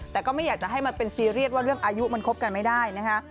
แต่ก็ไม่อยากจะให้มันเป็นซีเรียสว่าเรื่องอายุมันคบกันไม่ได้นะคะ